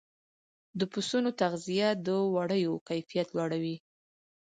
د پسونو تغذیه د وړیو کیفیت لوړوي.